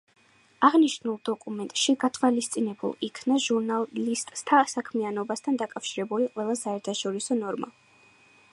აღნიშნულ დოკუმენტში გათვალისწინებულ იქნა ჟურნალისტთა საქმიანობასთან დაკავშირებული ყველა საერთაშორისო ნორმა.